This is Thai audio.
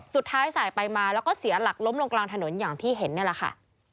สายไปมาแล้วก็เสียหลักล้มลงกลางถนนอย่างที่เห็นนี่แหละค่ะ